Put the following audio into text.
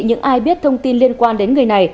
những ai biết thông tin liên quan đến người này